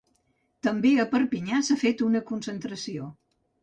També a Perpinyà s’ha fet una concentració.